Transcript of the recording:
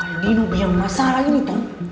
aldino biar masalah ini tom